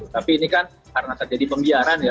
tapi ini kan karena terjadi pembiaran ya